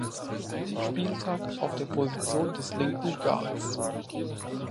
Spieltag auf der Position des linken Guards.